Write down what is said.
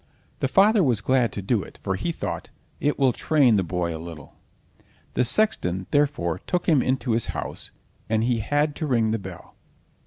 The father was glad to do it, for he thought: "It will train the boy a little." The sexton, therefore, took him into his house, and he had to ring the bell.